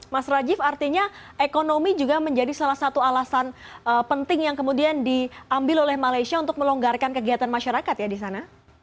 mas rajif artinya ekonomi juga menjadi salah satu alasan penting yang kemudian diambil oleh malaysia untuk melonggarkan kegiatan masyarakat ya di sana